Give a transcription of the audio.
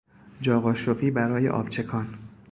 جا قاشقی برای آب چکان